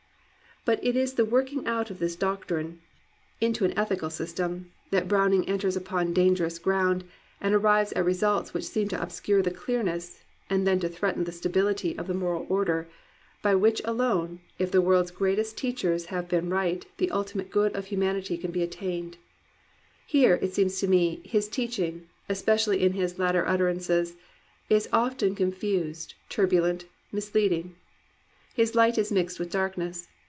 But it is in the working out of this doctrine into 281 COMPANIONABLE BOOKS an ethical system that Browning enters upon dan gerous ground, and arrives at results which seem to obscure the clearness, and to threaten the stability of the moral order, by which alone, if the world's greatest teachers have been right, the ultimate good of humanity can be attained. Here, it seems to me, his teaching, especially in its latter utterances, is often confused, turbulent, misleading. His light is mixed with darkness.